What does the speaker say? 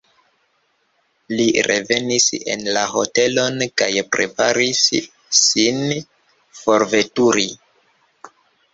Li revenis en la hotelon kaj preparis sin forveturi.